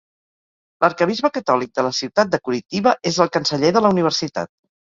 L'Arquebisbe catòlic de la ciutat de Curitiba és el canceller de la Universitat.